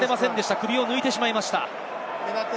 首を抜いてしまいました。